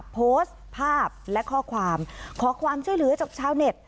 โพสต์ภาพและข้อความขอความช่วยเหลือจากชาวเน็ต